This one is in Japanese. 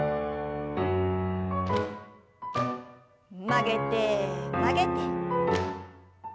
曲げて曲げて。